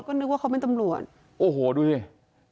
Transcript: ก็นึกว่าเขาเป็นตำรวจโอ้โหดูสิ